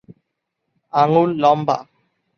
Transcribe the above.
আঙুল লম্বা।